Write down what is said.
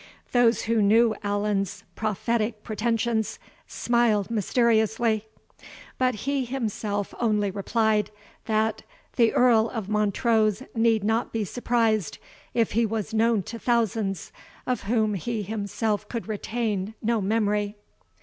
Those who knew Allan's prophetic pretensions, smiled mysteriously; but he himself only replied, that "the Earl of Montrose need not be surprised if he was known to thousands, of whom he himself could retain no memory."